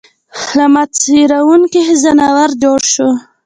له ما څېرونکی ځناور جوړ شوی